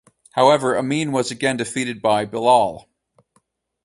However Amin was again defeated by Bilal.